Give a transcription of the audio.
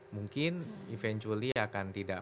mungkin eventually akan tidak